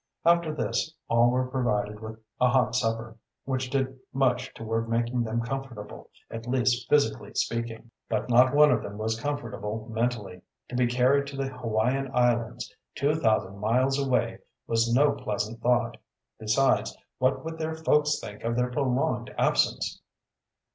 After this all were provided with a hot supper, which did much toward making them comfortable, at least physically speaking. But not one of them was comfortable mentally. To be carried to the Hawaiian Islands, two thousand miles away, was no pleasant thought. Besides, what would their folks think of their prolonged absence?